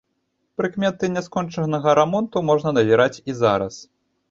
Прыкметы няскончанага рамонту можна назіраць і зараз.